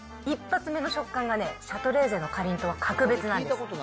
一発目の食感がね、シャトレーゼのかりんとうは格別なんです。